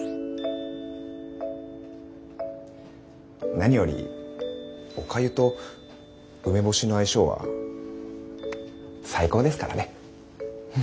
何よりおかゆと梅干しの相性は最高ですからね。